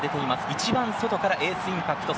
一番外からエースインパクト。